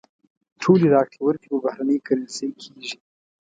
ټولې راکړې ورکړې په بهرنۍ کرنسۍ کېږي.